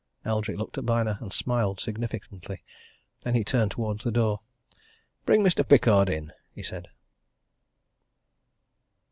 Eldrick looked at Byner and smiled significantly. Then he turned towards the door. "Bring Mr. Pickard in," he said.